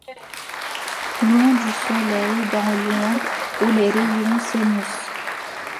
Loin du soleil, dans l'ombre où les rayons s'émoussent.